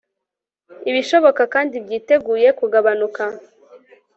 ibishoboka kandi byiteguye kugabanuka